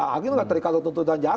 hakim nggak terikat untuk tuntutan jaksa